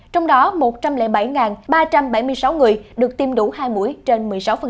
trong đó một trăm linh bảy ba trăm bảy mươi sáu người được tiêm đủ hai mũi trên một mươi sáu